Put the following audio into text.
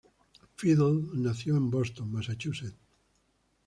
Fiedler nació en Boston, Massachusetts.